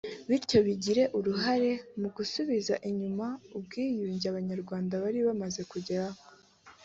bityo bigire uruhare mu gusubiza inyuma ubwiyunge Abanyarwanda bari bamaze kugeraho